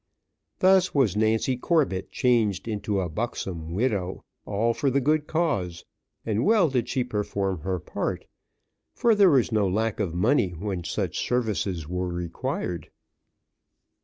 Thus was Nancy Corbett changed into a buxom widow, all for the good cause, and well did she perform her part; for there was no lack of money when such services were required.